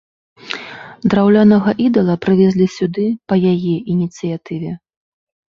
Драўлянага ідала прывезлі сюды па яе ініцыятыве.